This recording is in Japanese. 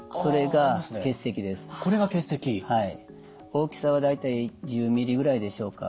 大きさは大体１０ｍｍぐらいでしょうか。